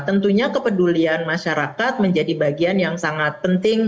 tentunya kepedulian masyarakat menjadi bagian yang sangat penting